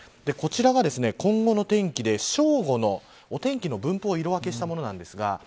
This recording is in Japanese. こちらが今後の天気で正午のお天気の分布を色分けしたものです。